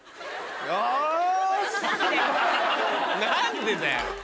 何でだよ！